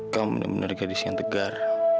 kamu bener bener gadis yang tegar